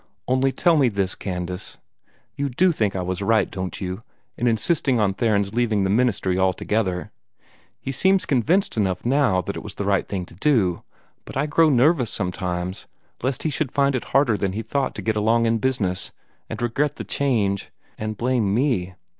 "Only tell me this, Candace. You do think I was right, don't you, in insisting on Theron's leaving the ministry altogether? He seems convinced enough now that it was the right thing to do; but I grow nervous sometimes lest he should find it harder than he thought to get along in business, and regret the change and blame me."